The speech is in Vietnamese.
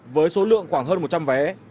với số lượng khoảng hơn một trăm linh vé